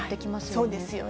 そうですよね。